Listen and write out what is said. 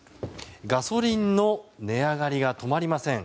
ガソリンの値上がりが止まりません。